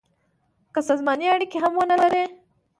که سازماني اړیکي هم ونه لري.